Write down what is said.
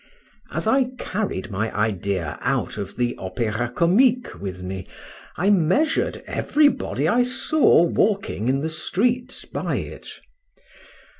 As I carried my idea out of the Opéra Comique with me, I measured every body I saw walking in the streets by it.